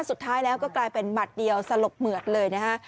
สุดท้ายแล้วก็กลายเป็นหมัดเดียวสลบเหมือดเลยนะฮะ